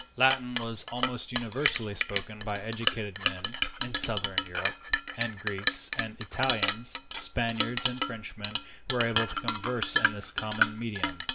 Latin was almost universally spoken by educated men in southern Europe, and Greeks, Italians, Spaniards, and Frenchmen were able to converse in this common medium.